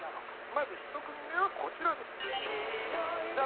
まず一組目はこちらです。